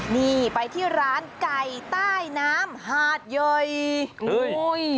นี่ไปที่ร้านไก่ใต้น้ำหาดเยยุ้ย